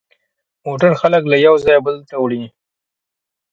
موټر خلک له یوه ځایه بل ته وړي.